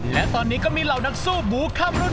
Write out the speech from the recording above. และตอนนี้ก็มีเหล่านักสู้บูข้ามรุ่น